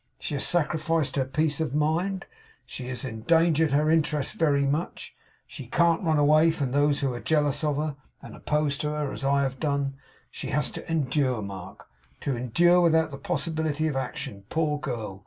She has sacrificed her peace of mind; she has endangered her interests very much; she can't run away from those who are jealous of her, and opposed to her, as I have done. She has to endure, Mark; to endure without the possibility of action, poor girl!